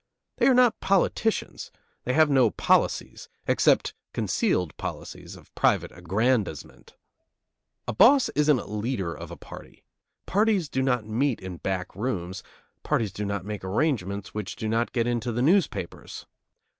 They are not politicians; they have no policies, except concealed policies of private aggrandizement. A boss isn't a leader of a party. Parties do not meet in back rooms; parties do not make arrangements which do not get into the newspapers.